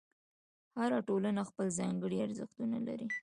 هره ټولنه خپل ځانګړي ارزښتونه لري.